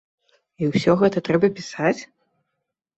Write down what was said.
І ўсё гэта трэба пісаць?